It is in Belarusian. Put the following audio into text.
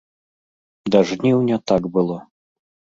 Да жніўня так было.